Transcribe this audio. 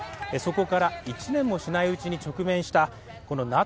そこから１年もしないうちに直面したこのＮＡＴＯ